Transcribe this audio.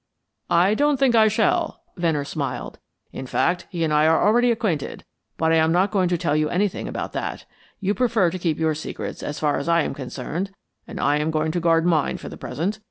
"I don't think I shall," Venner smiled. "In fact, he and I are already acquainted. But I am not going to tell you anything about that; you prefer to keep your secrets as far as I am concerned, and I am going to guard mine for the present.